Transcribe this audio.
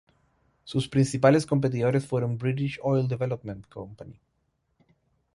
Sus principales competidores fueron British Oil Development Co.